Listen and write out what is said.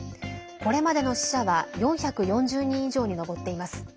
これまでの死者は４４０人以上に上っています。